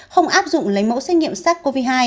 không áp dụng lấy mẫu xét nghiệm sars cov hai